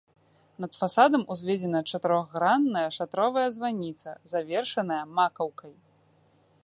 Над фасадам узведзена чатырохгранная шатровая званіца, завершаная макаўкай.